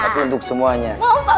tapi untuk semuanya